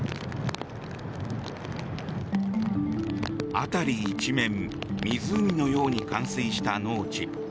辺り一面、湖のように冠水した農地。